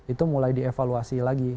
itu mulai dievaluasi lagi